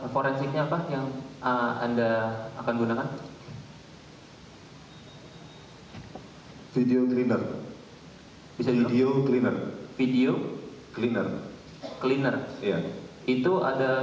forensiknya apa yang anda akan gunakan video cleaner bisa video cleaner video cleaner cleaner itu ada